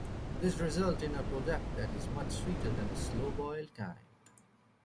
This results in a product that is much sweeter than the slow-boiled kind.